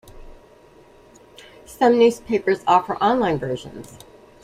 Some newspapers offer online versions.